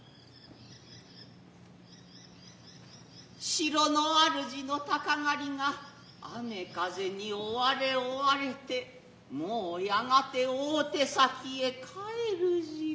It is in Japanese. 城の主人の鷹狩が雨風に追はれ追はれてもうやがて大手さきへ帰る時分。